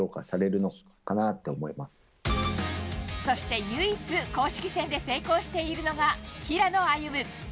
そして唯一、公式戦で成功しているのが平野歩夢。